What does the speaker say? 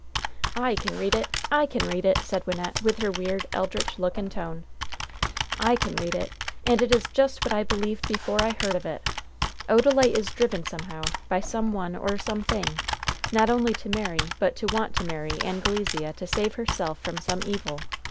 "I can read it! I can read it!" said Wynnette, with her weird, eldritch look and tone. "I can read it, and it is just what I believed before I heard of it! Odalite is driven somehow, by some one or something, not only to marry, but want to marry, Anglesea to save herself from some evil!